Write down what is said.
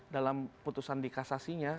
dalam putusan dikasasinya